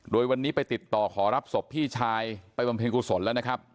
โดยวันนี้ไปติดต่อขอรับศพพี่ชายไปบำเพ็ญกุศลแล้วนะครับ